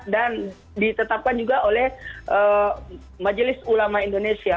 dan ditetapkan juga oleh majelis ulama indonesia